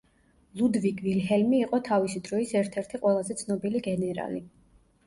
ლუდვიგ ვილჰელმი იყო თავისი დროის ერთ-ერთი ყველაზე ცნობილი გენერალი.